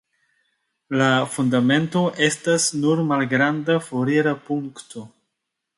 La fundamento estas nur malgranda forira punkto.